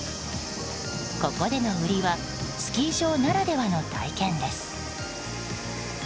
ここでの売りはスキー場ならではの体験です。